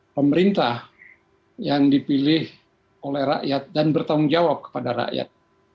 pemerintah yang dipilih oleh rakyat dan bertanggung jawab kepada rakyat